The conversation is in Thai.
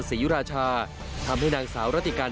ศรียุราชาทำให้นางสาวรถกรรม